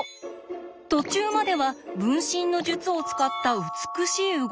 途中までは「分身の術」を使った美しい動きですが。